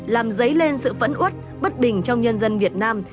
làm dấy lên sự phẫn út bất bình trong nhân dân việt nam